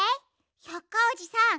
百科おじさん